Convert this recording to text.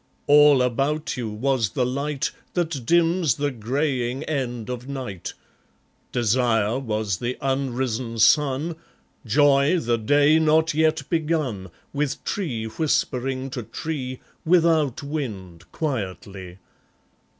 All about you was the light That dims the greying end of night; Desire was the unrisen sun, Joy the day not yet begun, With tree whispering to tree, Without wind, quietly.